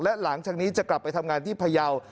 และหลังจากนี้จะกลับไปทำงานที่พยาว